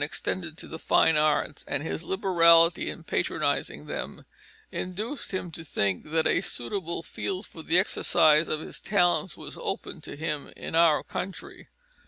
extended to the fine arts, and his liberality in patronising them, induced him to think that a suitable field for the exercise of his talents was open to him in our country.